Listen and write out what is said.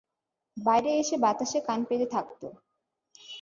বাইরে এসে বাতাসে কান পেতে থাকত।